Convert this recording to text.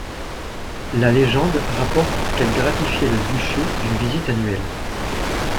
La légende rapporte qu'elle gratifiait le duché d'une visite annuelle.